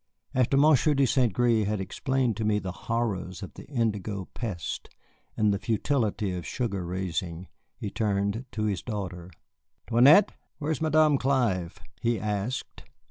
After Monsieur de St. Gré had explained to me the horrors of the indigo pest and the futility of sugar raising, he turned to his daughter. "'Toinette, where is Madame Clive?" he asked.